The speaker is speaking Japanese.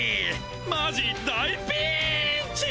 マジ大ピンチ！